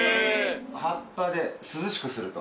葉っぱで涼しくすると。